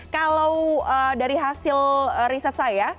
kalau dari hasil riset saya